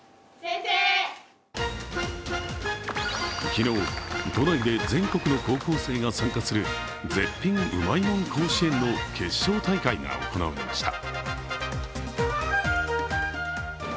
昨日、都内で全国の高校生が参加する絶品うまいもん甲子園の決勝大会が行われました。